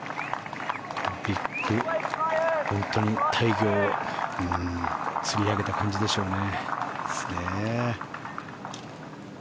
本当に、大魚を釣り上げた感じでしょうね。